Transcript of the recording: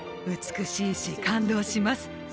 美しいし感動します